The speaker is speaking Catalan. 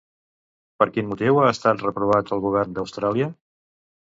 Per quin motiu ha estat reprovat el Govern d'Austràlia?